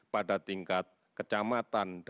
pada tingkat kecamatan